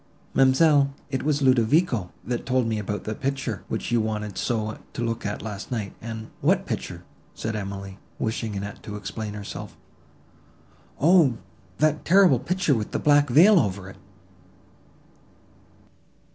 Ma'amselle, it was Ludovico, that told me about that picture, which you wanted so to look at last night, and—" "What picture?" said Emily, wishing Annette to explain herself. "O! that terrible picture with the black veil over it."